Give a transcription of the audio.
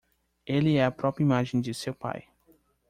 Ele é a própria imagem de seu pai